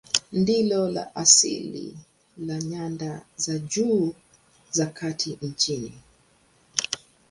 Ndilo la asili la nyanda za juu za kati nchini.